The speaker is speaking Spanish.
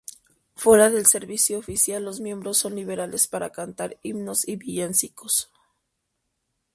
Fuera del servicio oficial, los miembros son libres para cantar himnos y villancicos.